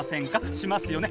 しますよね？